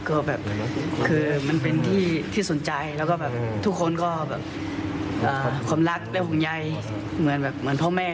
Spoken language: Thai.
คือมันเป็นที่สนใจแล้วก็ทุกคนก็ความรักและห่วงใยเหมือนพ่อแม่